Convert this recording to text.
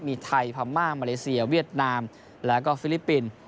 มีไทยพม่ามาเลเซียเวียดนามแล้วก็ฟิลิปปินส์